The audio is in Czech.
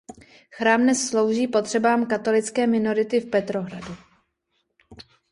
Chrám dnes slouží potřebám katolické minority v Petrohradu.